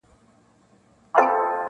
تنها نوم نه چي خصلت مي د انسان سي,